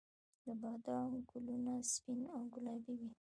د بادام ګلونه سپین او ګلابي وي